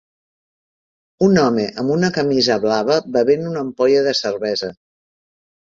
Un home amb una camisa blava bevent una ampolla de cervesa.